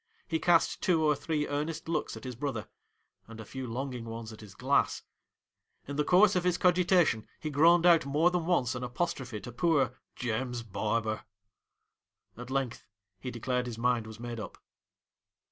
He cast two or three earnest looks at his brother, and a few longing ones at his glass. In the course of Ms cogitation, he groaned out more than once an apostrophe to poor ' James Barber.' At length he declared his mind was made up.